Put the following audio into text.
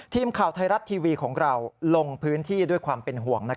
ทีมข่าวไทยรัฐทีวีของเราลงพื้นที่ด้วยความเป็นห่วง